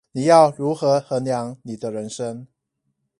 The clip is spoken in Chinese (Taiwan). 你要如何衡量你的人生